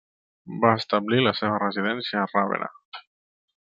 Va establir la seva residència a Ravenna.